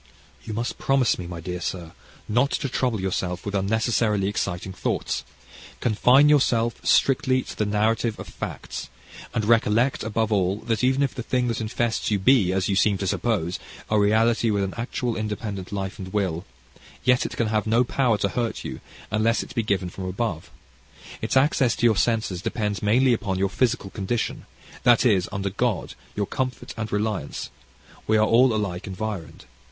"You must promise me, my dear sir, not to trouble yourself with unnecessarily exciting thoughts; confine yourself strictly to the narrative of facts; and recollect, above all, that even if the thing that infests you be, you seem to suppose a reality with an actual independent life and will, yet it can have no power to hurt you, unless it be given from above: its access to your senses depends mainly upon your physical condition this is, under God, your comfort and reliance: we are all alike environed.